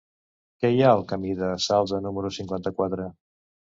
Què hi ha al camí del Salze número cinquanta-quatre?